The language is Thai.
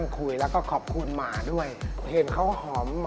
ขอบคุณครับ